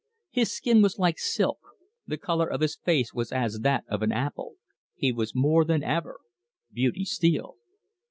His skin was like silk; the colour of his face was as that of an apple; he was more than ever Beauty Steele.